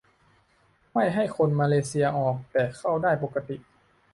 - ไม่ให้คนมาเลเซียออก แต่เข้าได้ปกติ